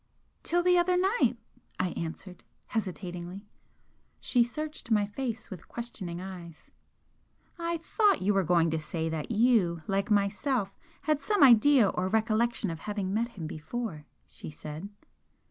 "Till the other night," I answered, hesitatingly. She searched my face with questioning eyes. "I thought you were going to say that you, like myself, had some idea or recollection of having met him before," she said.